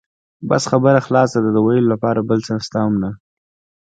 بس خبره خلاصه ده، د وېلو لپاره بل څه شته هم نه.